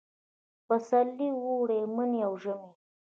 پسرلي، اوړي، مني او ژمي